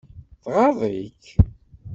Tɣaḍ-ik?